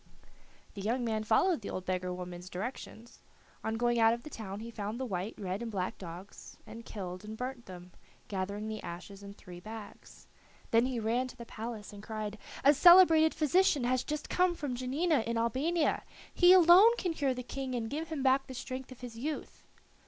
The young man followed the old beggar woman's directions. On going out of the town he found the white, red, and black dogs, and killed and burnt them, gathering the ashes in three bags. Then he ran to the palace and cried: "A celebrated physician has just come from Janina in Albania. He alone can cure the King and give him back the strength of his youth."